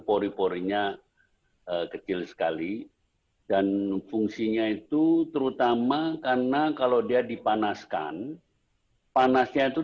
pori porinya kecil sekali dan fungsinya itu terutama karena kalau dia dipanaskan panasnya itu